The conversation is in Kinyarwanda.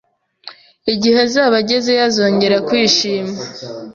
Igihe azaba agezeyo, azongera kwishima